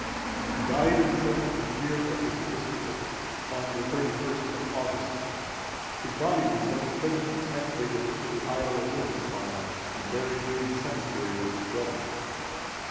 He died in the seventeenth year of his episcopate, on the 31st of August.(371) His body was thence presently translated to the isle of Lindisfarne, and buried in the cemetery of the brethren.